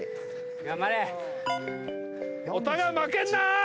頑張れ！お互い負けんな！